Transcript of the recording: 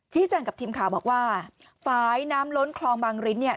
แจ้งกับทีมข่าวบอกว่าฝ่ายน้ำล้นคลองบางริ้นเนี่ย